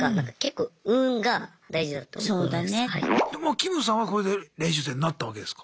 キムさんはこれで練習生になったわけですか。